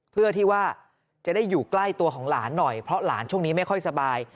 เพื่อที่ว่าจะได้อยู่ใกล้ตัวของหลานหน่อยเพราะหลานช่วงนี้ไม่ค่อยสบาย